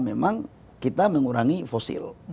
memang kita mengurangi fosil